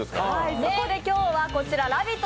そこで今日は「ラヴィット！」